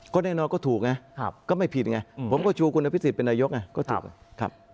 ก็แน่นอนก็ถูกไงก็ไม่ผิดไงผมก็ชูผลเอกประยุทธ์เป็นนายกไงก็ถูกไง